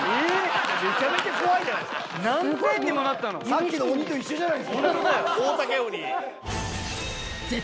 さっきの鬼と一緒じゃない。